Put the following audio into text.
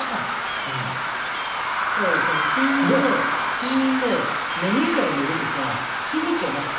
睡眠も眠いから寝るとかそういうことじゃなくて。